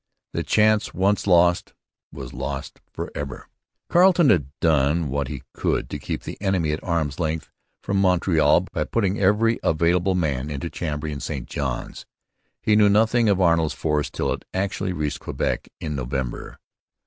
The chance once lost was lost for ever. Carleton had done what he could to keep the enemy at arm's length from Montreal by putting every available man into Chambly and St Johns. He knew nothing of Arnold's force till it actually reached Quebec in November.